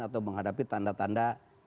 atau menghadapi tanda tanda